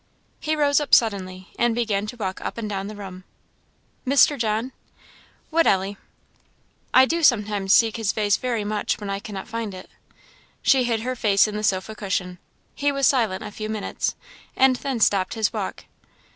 He rose up suddenly, and began to walk up and down the room. "Mr. John " "What Ellie?" "I do sometimes seek His face very much when I cannot find it." She hid her face in the sofa cushion. He was silent a few minutes, and then stopped his walk.